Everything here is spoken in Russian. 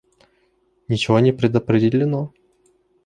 Ничего не предопределено.